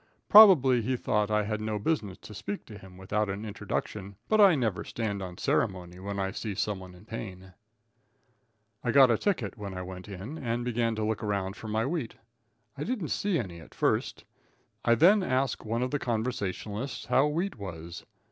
Probably he thought I had no business to speak to him without an introduction, but I never stand on ceremony when I see anyone in pain. [Illustration: INDULGING IN CONVERSATION.] I got a ticket when I went in, and began to look around for my wheat. I didn't see any at first. I then asked one of the conversationalists how wheat was.